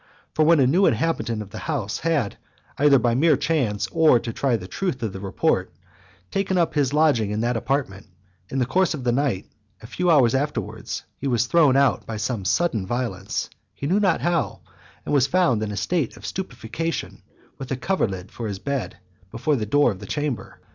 For when a new inhabitant of the house had, either by mere chance, or to try the truth of the report, taken up his lodging in that apartment, in the course of the night, a few hours afterwards, he was thrown out by some sudden violence, he knew not how, and was found in a state of stupefaction, with the coverlid of his bed, before the door of the chamber.